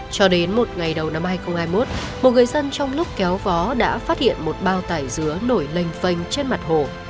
cho đến một ngày đầu năm hai nghìn hai mươi một một người dân trong lúc kéo vó đã phát hiện một bao tải dứa nổi lênh phanh trên mặt hồ